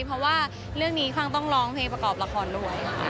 เพราะว่าเรื่องนี้ฟังต้องร้องเพลงประกอบละครด้วย